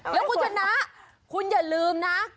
แล้วคุณชนะคุณอย่าลืมนะ